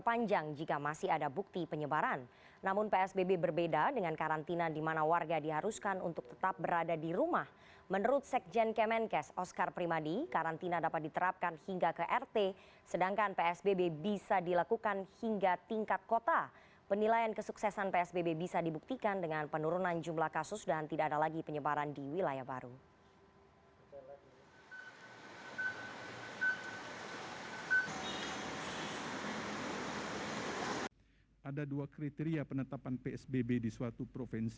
pembatasan sosial berskala besar